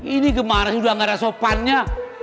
ini kemana sudah gak ada sopannya